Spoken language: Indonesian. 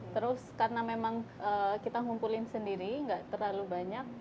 terus karena memang kita ngumpulin sendiri nggak terlalu banyak